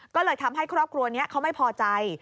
ก็เลยทำให้ครอบครัวนี้เขาไม่พอใจ